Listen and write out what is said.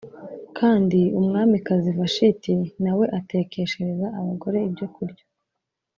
Kandi Umwamikazi Vashiti na we atekeshereza abagore ibyokurya